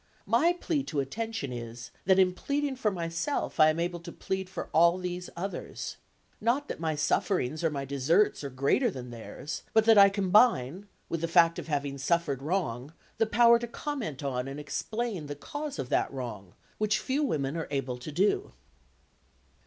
My plea to attention is, that in pleading for myself I am able to plead for all these others. Not that my sufferings or my deserts are greater than theirs, but that I combine, with the fact of having suffered wrong, the power to comment on and explain the cause of that wrong, which few women are able to do."